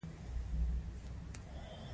دا په ټاکلي وخت او میاشت کې وي.